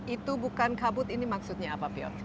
itu bukan kabut ini maksudnya apa pyok